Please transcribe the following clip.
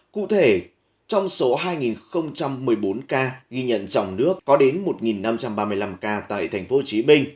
cụ thể trong số hai một mươi bốn ca ghi nhận trong nước có đến một năm trăm ba mươi năm ca tại tp hcm